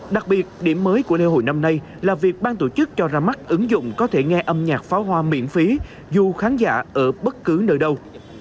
đặc biệt điểm mới của lễ hội năm nay là việc ban tổ chức cho ra mắt ứng dụng có thể nghe âm nhạc pháo hoa miễn phí dù khán giả ở bất cứ nơi đâu